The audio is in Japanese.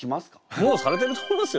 もうされてると思いますよ。